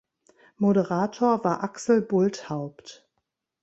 Moderator war Axel Bulthaupt.